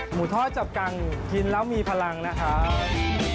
หมูทอดจับกังกินแล้วมีพลังนะครับ